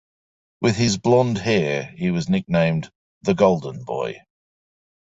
With his blonde hair, he was nicknamed "The Golden Boy".